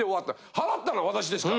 払ったのは私ですから。